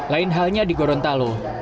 lain halnya di gorontalo